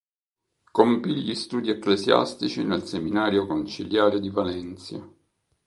Compì gli studi ecclesiastici nel seminario conciliare di Valencia.